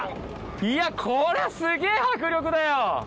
いやこれはすげぇ迫力だよ！